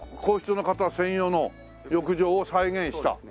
皇室の方専用の浴場を再現した？